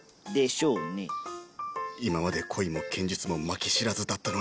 今まで恋も剣術も負け知らずだったのに。